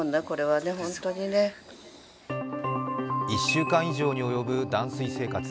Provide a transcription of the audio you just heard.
１週間以上に及ぶ断水生活。